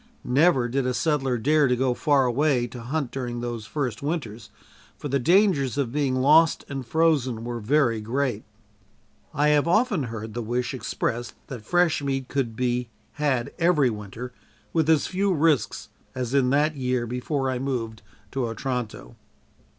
Never did a settler dare to go far away to hunt during those first winters, for the dangers of being lost and frozen were very great. I have often heard the wish expressed that fresh meat could be had every winter, with as few risks as in that year before I moved to Otranto.